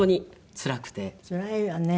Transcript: つらいわね。